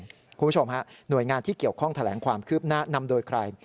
คุณผู้ชมฮะหน่วยงานที่เกี่ยวข้องแถลงความคืบหน้านำโดยใคร